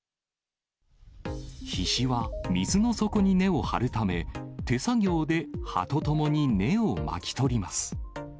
ヒシは、水の底に根を張るため、手作業で葉とともに根を巻き取ります。